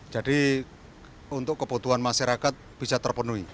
jadi untuk kebutuhan masyarakat bisa terpenuhi